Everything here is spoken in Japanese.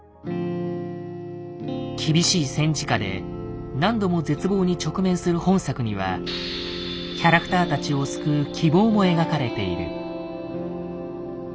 厳しい戦時下で何度も絶望に直面する本作にはキャラクターたちを救う「希望」も描かれている。